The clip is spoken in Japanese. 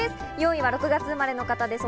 ４位は６月生まれの方です。